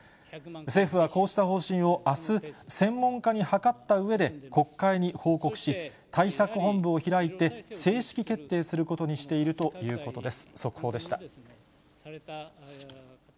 政府はこうした方針をあす、専門家に諮ったうえで国会に報告し、対策本部を開いて、正式決定することにしているということです。